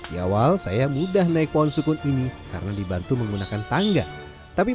di awal saya mudah naik pohon sukun ini karena dibantu menggunakan tangga tapi